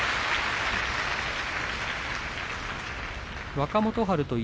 若元春と一